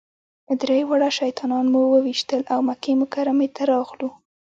درې واړه شیطانان مو وويشتل او مکې مکرمې ته راغلو.